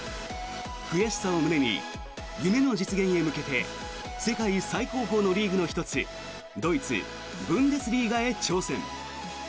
悔しさを胸に夢の実現へ向けて世界最高峰のリーグの１つドイツ・ブンデスリーガへ挑戦。